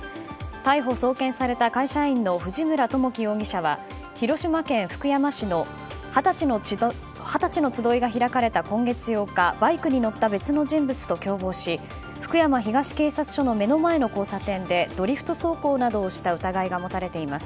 逮捕・送検された会社員の藤村知樹容疑者は広島県福山市の二十歳の集いが開かれた今月８日バイクに乗った別の人物と共謀し福山東警察署の目の前の交差点でドリフト走行などをした疑いが持たれています。